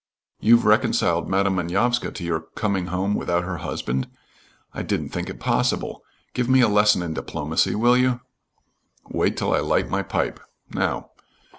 "You've reconciled Madam Manovska to your coming home without her husband! I didn't think it possible. Give me a lesson in diplomacy, will you?" "Wait till I light my pipe. Now.